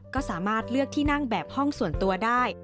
ก็สามารถเลือกที่นั่งแบบห้องส่วนตัวได้